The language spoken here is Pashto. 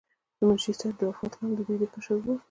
د منشي صاحب د وفات غم د دوي کشر ورور